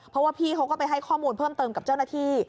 เพราะว่าพี่เขาก็ไปให้ข้อมูลเพิ่มเติมกับเจ้าหน้าที่